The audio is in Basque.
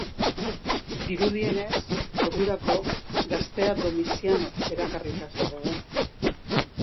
Dirudienez, ordurako, gaztea Domizianok erakarrita zegoen.